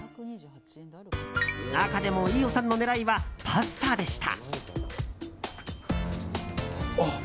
中でも飯尾さんの狙いはパスタでした。